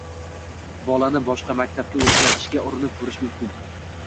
Bolani boshqa maktabga o‘tkazishga urinib ko‘rish mumkin.